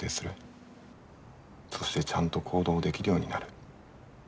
そしてちゃんと行動できるようになる。